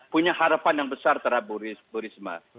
punya harapan yang besar terhadap bu risma